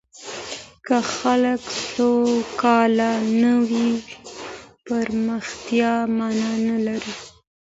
که خلګ سوکاله نه وي، پرمختيا مانا نلري.